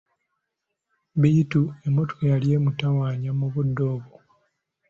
Bittu emmotoka yali emutawanya mu budde obwo.